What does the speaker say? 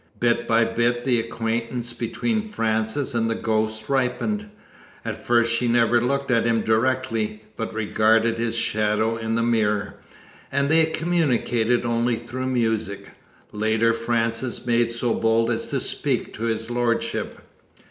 Bit by bit the acquaintance between Frances and the ghost ripened. At first she never looked at him directly, but regarded his shadow in the mirror. And they communicated only through music. Later Frances made so bold as to speak to his lordship.